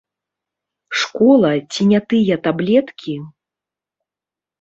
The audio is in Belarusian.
Школа ці не тыя таблеткі?